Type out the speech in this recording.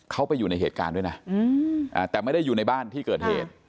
เขาไปอยู่ในเหตุการณ์ด้วยนะแต่ไม่ได้อยู่ในบ้านที่เกิดเหตุ